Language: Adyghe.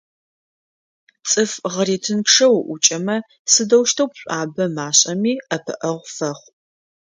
ЦӀыф гъэретынчъэ уӀукӀэмэ, сыдэущтэу пшӀуабэ машӀэми, ӀэпыӀэгъу фэхъу.